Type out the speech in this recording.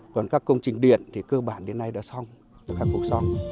còn các công trình điện thì cơ bản đến nay đã xong rồi khắc phục xong